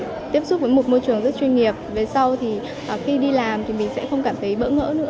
cơ hội để tiếp xúc với một môi trường rất chuyên nghiệp về sau thì khi đi làm thì mình sẽ không cảm thấy bỡ ngỡ nữa